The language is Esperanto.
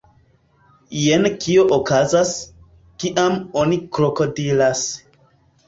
Jen kio okazas, kiam oni krokodilas